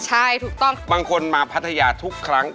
ใช่ถูกต้องบางคนมาพัทยาทุกครั้ง